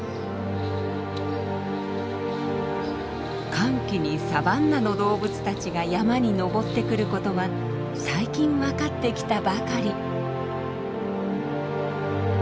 乾季にサバンナの動物たちが山に登ってくることは最近わかってきたばかり。